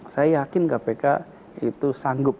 saya yakin kpk itu sanggup